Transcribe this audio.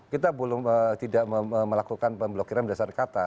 kita tidak melakukan pemblokiran berdasarkan kata